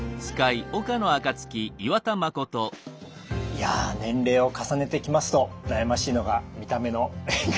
いや年齢を重ねてきますと悩ましいのが見た目の変化ですね。